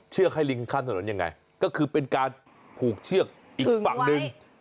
ให้ลิงข้ามถนนยังไงก็คือเป็นการผูกเชือกอีกฝั่งหนึ่ง